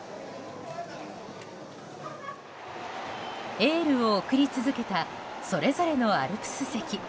エールを送り続けたそれぞれのアルプス席。